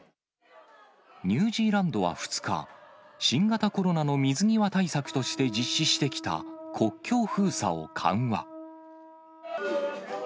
ニュージーランドは２日、新型コロナの水際対策として実施してきた国境封鎖を緩和。